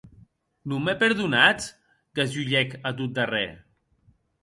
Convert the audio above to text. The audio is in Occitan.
Non me perdonatz?, gasulhèc, a tot darrèr.